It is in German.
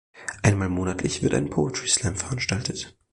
Einmal monatlich wird ein Poetry Slam veranstaltet.